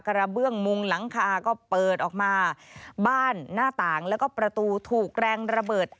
กระเบื้องมุงหลังคาก็เปิดออกมาบ้านหน้าต่างแล้วก็ประตูถูกแรงระเบิด